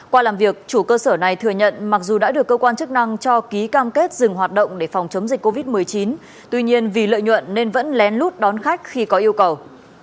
qua làm việc chủ cơ sở này thừa nhận mặc dù đã được cơ quan chức năng cho ký cam kết dừng hoạt động để phòng chống dịch covid một mươi chín tuy nhiên vì lợi nhuận nên vẫn lén lút đón khách khi có yêu cầu